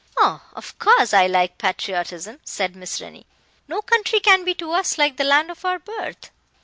"Oh! of course I like patriotism," said Miss Rennie; "no country can be to us like the land of our birth."